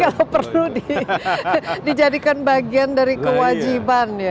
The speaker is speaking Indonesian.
kalau perlu dijadikan bagian dari kewajiban ya